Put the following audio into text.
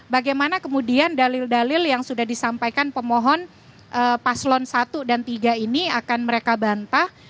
bagaimana kemudian dalil dalil yang sudah disampaikan pemohon paslon satu dan tiga ini akan mereka bantah